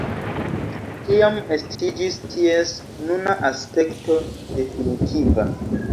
Tiam estiĝis ties nuna aspekto definitiva.